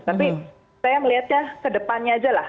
tapi saya melihatnya ke depannya aja lah